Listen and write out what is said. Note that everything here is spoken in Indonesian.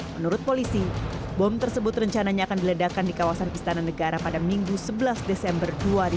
menurut polisi bom tersebut rencananya akan diledakan di kawasan istana negara pada minggu sebelas desember dua ribu dua puluh